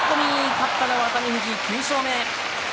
勝ったのは熱海富士、９勝目。